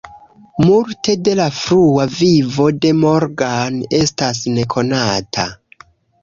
Multe de la frua vivo de Morgan estas nekonata.